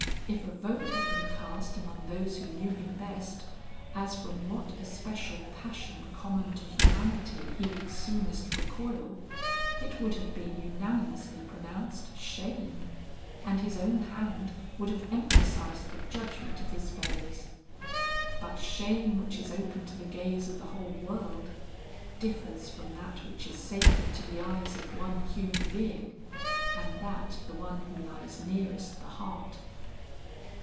If a vote had been cast among those who knew him best, as from what especial passion common to humanity he would soonest recoil, it would have been unanimously pronounced shame, and his own hand would have emphasized the judgment of his fellows. But shame which is open to the gaze of the whole world, differs from that which is sacred to the eyes of one human being, and that the one who lies nearest the heart.